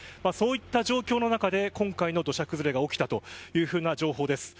そういった状況の中で、今回の土砂崩れが起きたというふうな情報です。